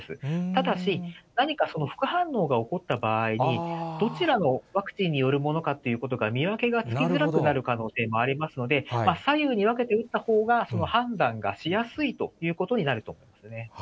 ただし、何か副反応が起こった場合に、どちらのワクチンによるものかっていうことが見分けがつきづらくなる可能性がありますので、左右に分けて打ったほうが、その判断がしやすいということになると思いますね。